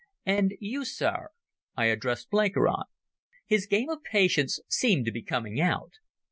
"And you, sir?" I addressed Blenkiron. His game of Patience seemed to be coming out.